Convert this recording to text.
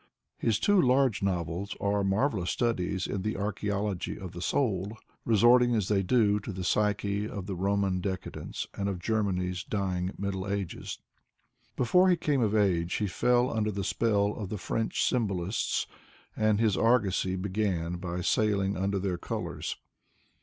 His two large novcia are marvelous studies In the archeology of the soul, restoring as they do the psyche of the Roman decadence and of Germany's dying Middle Ages. Before he came of age he fell under the apell of the French symbolists and his argosy began by sailing under their colors.